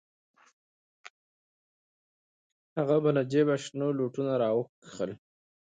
هغه به له جيبه شنه لوټونه راوکښل.